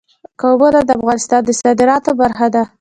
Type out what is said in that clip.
قومونه د افغانستان د صادراتو برخه ده.